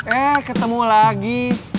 eh ketemu lagi